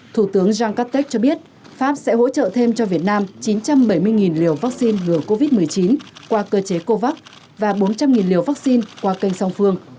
thủ tướng jangkatech cho biết pháp sẽ hỗ trợ thêm cho việt nam chín trăm bảy mươi liều vaccine ngừa covid một mươi chín qua cơ chế covax và bốn trăm linh liều vaccine qua kênh song phương